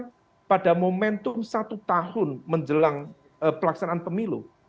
karena itu ada komentum satu tahun menjelang pelaksanaan pemilu